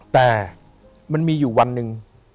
แต่มันมีอยู่วันหนึ่ง